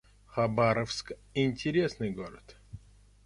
Хабаровск — интересный город